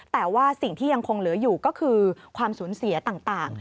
แต่ว่าสิ่งที่ยังคงเหลืออยู่ก็คือความสูญเสียต่าง